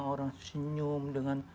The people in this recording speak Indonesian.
orang senyum dengan